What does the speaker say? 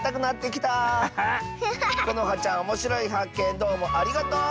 このはちゃんおもしろいはっけんどうもありがとう！